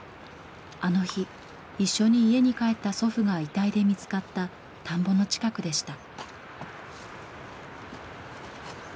あの日一緒に家に帰った祖父が遺体で見つかった田んぼの近くでした。